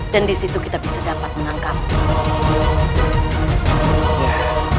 dan disitu kita bisa dapat menangkapnya